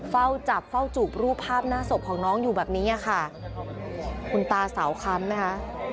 เฝ้าจับเฝ้าจูบรูปภาพหน้าศพของน้องอยู่แบบนี้ค่ะคุณตาเสาคำไหมคะ